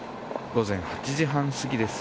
午前８時半過ぎです。